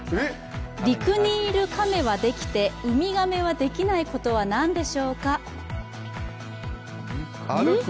陸にいる亀はできて海亀はできないことは何でしょうか。